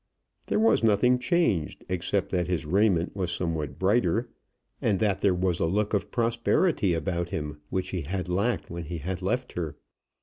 There was nothing changed, except that his raiment was somewhat brighter, and that there was a look of prosperity about him which he had lacked when he left her.